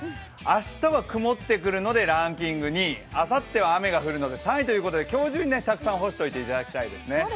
明日は曇ってくるのでランキング２位、あさっては雨が降るので３位ということで今日中にたくさん干しておいていただきたいですね。